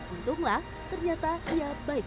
untunglah ternyata dia baik